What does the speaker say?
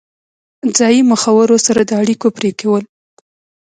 ځایي مخورو سره د اړیکو پرې کول.